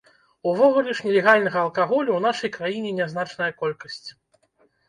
Увогуле ж, нелегальнага алкаголю ў нашай краіне нязначная колькасць.